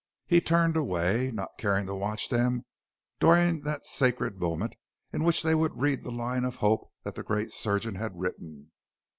He turned away, not caring to watch them during that sacred moment in which they would read the line of hope that the great surgeon had written.